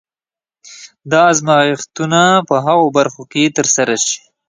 دا ازمایښتونه په هغو برخو کې ترسره شي.